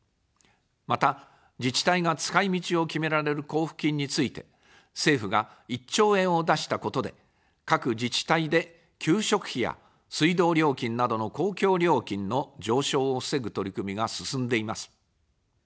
また、自治体が使い道を決められる交付金について、政府が１兆円を出したことで、各自治体で給食費や水道料金などの公共料金の上昇を防ぐ取り組みが進んでいます。